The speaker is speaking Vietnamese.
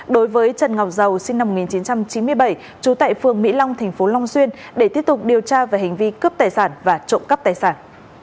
đối với trần ngọc giàu sinh năm một nghìn chín trăm chín mươi bảy trú tại phường mỹ long tp long xuyên để tiếp tục điều tra về hành vi cướp tài sản và trộm cắp tài sản